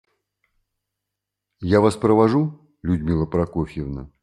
Я Вас провожу, Людмила Прокофьевна?